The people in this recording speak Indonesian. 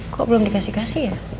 kok belum dikasih kasih ya